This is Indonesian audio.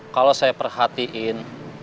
kalau saya perhatiin